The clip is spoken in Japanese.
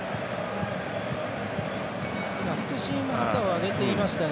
副審は旗を上げていましたが。